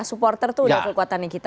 supporter itu kekuatannya kita